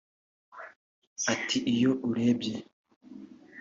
Ati “Iyo urebye